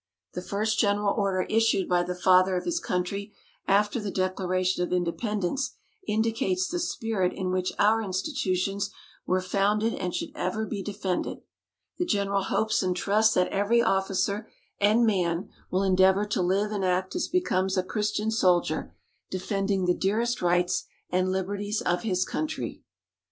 The first General Order issued by the Father of his Country after the Declaration of Independence indicates the spirit in which our institutions were founded and should ever be defended: "The General hopes and trusts that every officer and man will endeavour to live and act as becomes a Christian soldier, defending the dearest Rights and Liberties of his Country."